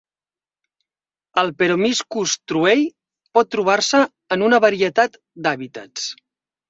El "Peromyscus truei" pot trobar-se en una varietat d'hàbitats.